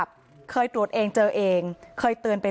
โปรดติดตามต่อไป